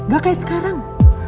gak kayak sekarang